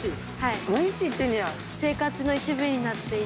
はい。